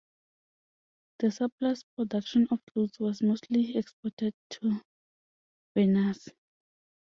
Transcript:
The surplus production of cloth was mostly exported to Venice.